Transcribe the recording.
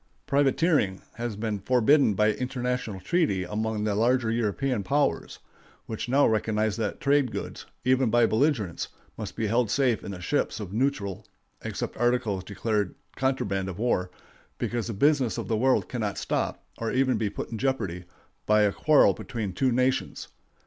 Privateering has been forbidden by international treaty among the larger European powers, which now recognize that trade goods, even of belligerents, must be held safe in the ships of neutrals (except articles declared contraband of war), because the business of the world cannot stop, or even be put in jeopardy, by a quarrel between two nations.